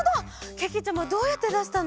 けけちゃまどうやってだしたの？